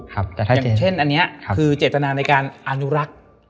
แต่อย่างเช่นอันนี้คือเจตนาในการอนุรักษ์